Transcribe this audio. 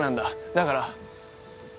だから。